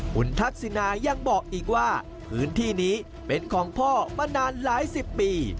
คุณทักษินายังบอกอีกว่าพื้นที่นี้เป็นของพ่อมานานหลายสิบปี